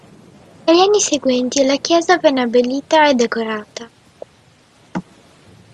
Negli anni seguenti la chiesa venne abbellita e decorata.